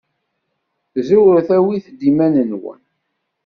Ẓewret awit-d iman-nwen.